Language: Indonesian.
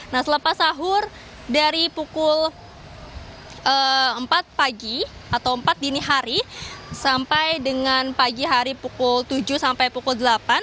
nah selepas sahur dari pukul empat pagi atau empat dini hari sampai dengan pagi hari pukul tujuh sampai pukul delapan